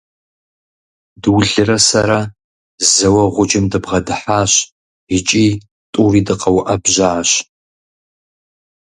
Дулрэ сэрэ зэуэ гъуджэм дыбгъэдыхьащ икӀи тӀури дыкъэуӀэбжьащ.